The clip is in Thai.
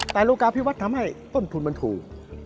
แต่โลกาพิวัฒน์ทำให้ต้นทุนมันถูก